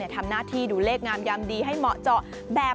ทำหน้าที่ดูเลขงามยามดีให้เหมาะเจาะแบบ